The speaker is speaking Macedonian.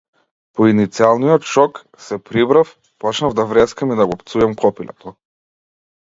По иницијалниот шок, се прибрав, почнав да врескам и да го пцујам копилето.